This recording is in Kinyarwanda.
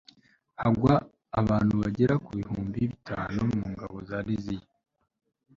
hagwa abantu bagera ku bihumbi bitanu mu ngabo za liziya